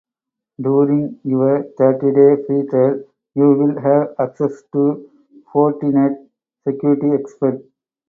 During your thirty day free trial, you will have access to Fortinet security experts